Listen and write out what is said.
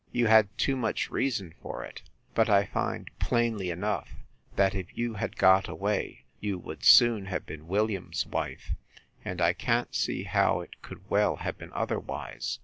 You had too much reason for it. But I find, plainly enough, that if you had got away, you would soon have been Williams's wife: and I can't see how it could well have been otherwise.